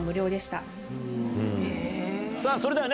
さぁそれではね